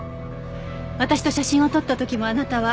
私と写真を撮った時もあなたは。